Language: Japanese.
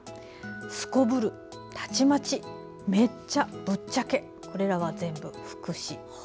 すこぶる、たちまちめっちゃ、ぶっちゃけこれらは全部副詞。